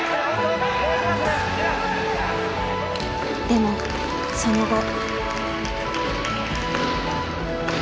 でもその後。